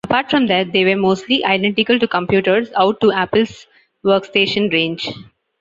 Apart from that, they were mostly identical to computers out of Apple's workstation range.